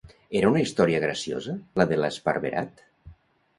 Era una història graciosa la de l'Esparverat?